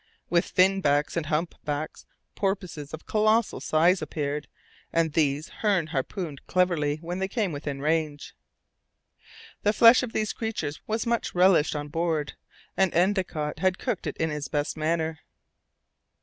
With fin backs and hump backs, porpoises of colossal size appeared, and these Hearne harpooned cleverly when they came within range. The flesh of these creatures was much relished on board, after Endicott had cooked it in his best manner.